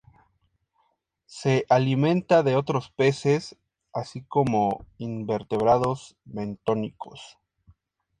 Se alimenta de otros peces, así como invertebrados bentónicos.